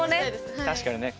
確かにね。